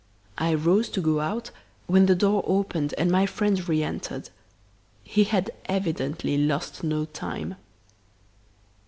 I rose to go out when the door opened and my friend re entered. He had evidently lost no time.